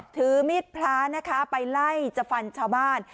ถือมีดพระนะคะไปไล่จะฟันชาวบ้าน